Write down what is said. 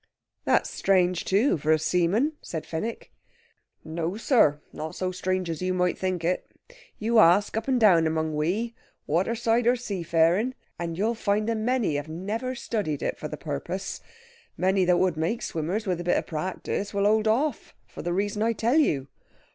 "That's strange, too, for a seaman," said Fenwick. "No, sir! Not so strange as you might think it. You ask up and down among we, waterside or seafaring, and you'll find a many have never studied it, for the purpose. Many that would make swimmers, with a bit of practice, will hold off, for the reason I tell you.